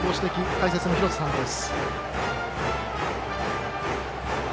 解説の廣瀬さんです。